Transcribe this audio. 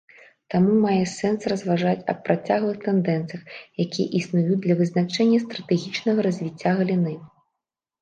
Таму мае сэнс разважаць аб працяглых тэндэнцыях, якія існуюць для вызначэння стратэгічнага развіцця галіны.